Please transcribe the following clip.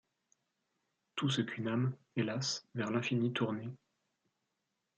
Tout ce qu'une âme, helas, vers l'infini tournée